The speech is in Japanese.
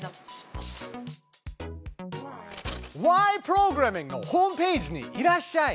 プログラミング」のホームページにいらっしゃい！